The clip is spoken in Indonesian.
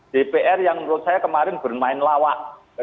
dpr yang menurut saya kemarin bermain lawak